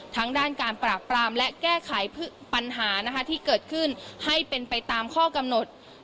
ทั้งด้านการปราบปรามและแก้ไขปัญหาที่เกิดขึ้นให้เป็นไปตามข้อกำหนด